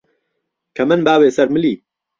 کهمهندباوێ سەر ملی